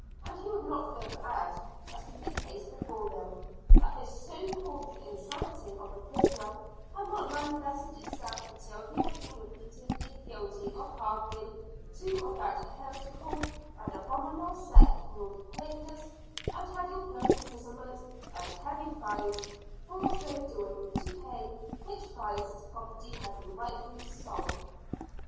And he would further add, as to the case before them, that this so called insanity of the prisoner had not manifested itself until he had been repeatedly guilty of harboring two of that heretical and abominable sect called Quakers and had incurred imprisonment and heavy fines for so doing; to pay which fines his property had been rightfully sold.